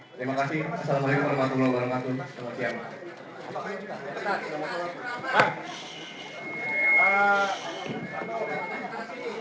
terima kasih wassalamualaikum warahmatullahi wabarakatuh